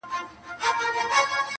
څوک په مال او دولت کله سړی کيږي-